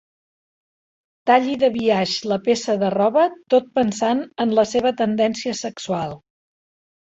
Talli de biaix la peça de roba tot pensant en la seva tendència sexual.